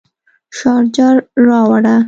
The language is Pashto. شارجر راوړه